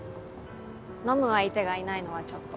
飲む相手がいないのはちょっと。